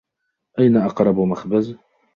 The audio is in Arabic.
أين أقرب مخبز ؟